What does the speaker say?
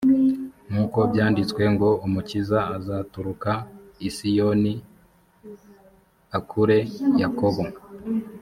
nk uko byanditswe ngo umukiza azaturuka i siyoni i akure yakobo